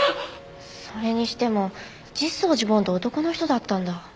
それにしても実相寺梵って男の人だったんだ。